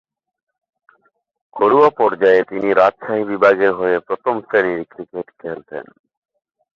ঘরোয়া পর্যায়ে তিনি রাজশাহী বিভাগের হয়ে প্রথম-শ্রেণীর ক্রিকেট খেলতেন।